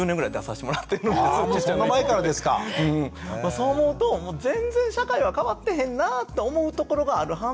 そう思うと全然社会は変わってへんなって思うところがある反面